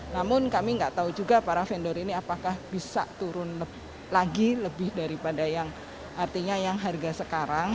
namun kami nggak tahu juga para vendor ini apakah bisa turun lagi lebih daripada yang artinya yang harga sekarang